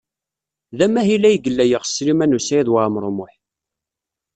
D amahil ay yella yeɣs Sliman U Saɛid Waɛmaṛ U Muḥ.